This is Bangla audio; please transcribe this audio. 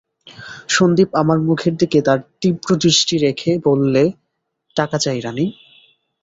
সন্দীপ আমার মুখের দিকে তার তীব্র দৃষ্টি রেখে বললে, টাকা চাই রানী!